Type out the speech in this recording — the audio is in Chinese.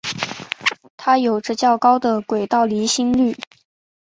它有着较高的轨道离心率。